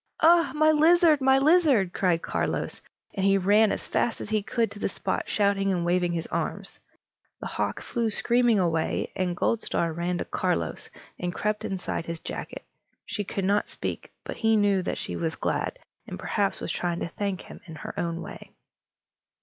"Oh! my lizard! my lizard!" cried Carlos; and he ran as fast as he could to the spot, shouting and waving his arms. The hawk flew screaming away, and Goldstar ran to Carlos, and crept inside his jacket. She could not speak, but he knew that she was glad, and perhaps was trying to thank him in her own way.